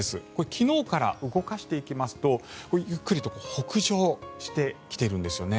昨日から動かしていきますとゆっくりと北上してきているんです。